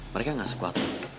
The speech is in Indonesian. mereka gak sekuat lo